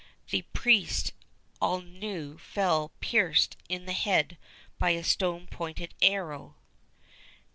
The priest Aulneau fell pierced in the head by a stone pointed arrow.